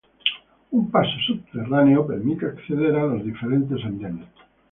Un paso subterráneo permite acceder a los diferentes andenes.